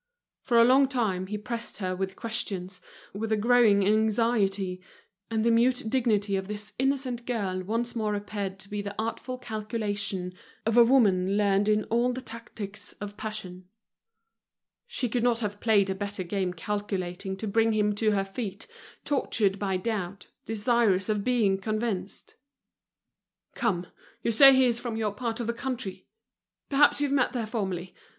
For a long time he pressed her with questions, with a growing anxiety; and the mute dignity of this innocent girl once more appeared to be the artful calculation of a woman learned in all the tactics of passion. She could not have played a game better calculated to bring him to her feet, tortured by doubt, desirous of being convinced. "Come, you say he is from your part of the country? Perhaps you've met there formerly.